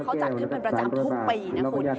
เขาจัดลืมประจำทุกปีนะคุณ